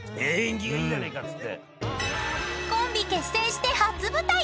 ［コンビ結成して初舞台］